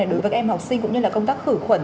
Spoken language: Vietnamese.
đối với các em học sinh cũng như là công tác khử khuẩn